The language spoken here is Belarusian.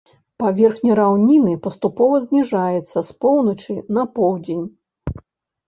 Паверхня раўніны паступова зніжаецца з поўначы на поўдзень.